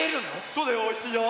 そうだよおいしいよ！